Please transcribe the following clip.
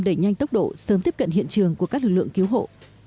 đẩy nhanh tốc độ sớm tiếp cận hiện trường của các lực lượng cứu hộ